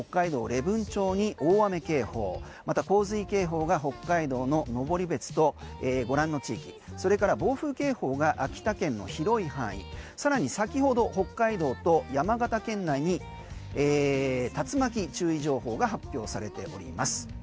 礼文町に大雨警報また洪水警報が北海道の登別とご覧の地域それから暴風警報が秋田県の広い範囲更に先ほど北海道と山形県内に竜巻注意情報が発表されております。